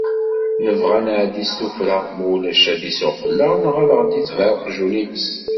Nebɣa ad nɛeddi s tuffra mulac ad d-isuɣ fell-aɣ neɣ ad aɣ-d-itbeɛ uqjun ines.